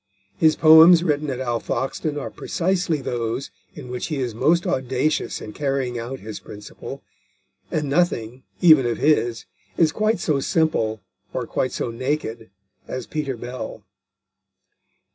His poems written at Alfoxden are precisely those in which he is most audacious in carrying out his principle, and nothing, even of his, is quite so simple or quite so naked as Peter Bell.